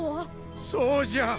そうじゃ。